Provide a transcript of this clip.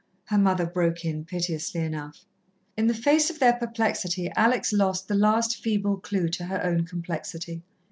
her mother broke in, piteously enough. In the face of their perplexity, Alex lost the last feeble clue to her own complexity.